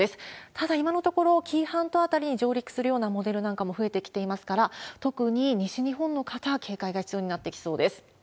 ただ、今のところ、紀伊半島辺りに上陸するようなモデルなんかも増えてきていますから、特に西日本の方は警戒が必要になってきそうです。